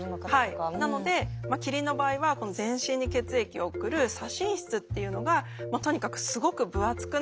なのでキリンの場合は全身に血液を送る左心室っていうのがとにかくすごく分厚くなる。